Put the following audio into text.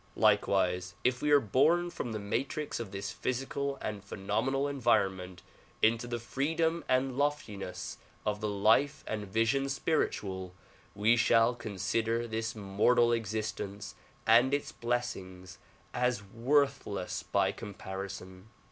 Likewise if we are bom from the matrix of this physical and phenomenal en\aronment into the freedom and loftiness of the life and vision spiritual, we shall con sider this mortal existence and its blessings as worthless by comparison.